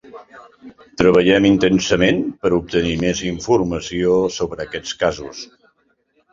Treballem intensament per obtenir més informació sobre aquests casos.